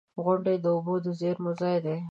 • غونډۍ د اوبو د زیرمو ځای دی.